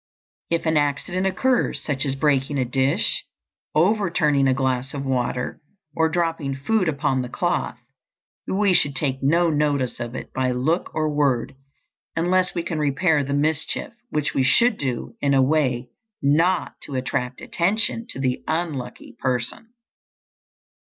If an accident occurs, such as breaking a dish, overturning a glass of water, or dropping food upon the cloth, we should take no notice of it by look or word unless we can repair the mischief, which we should do in a way not to attract attention to the unlucky person.